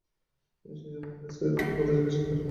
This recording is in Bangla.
সে সময়ে মহারাজকে কোন কথা জিজ্ঞাসা করা অসম্ভব।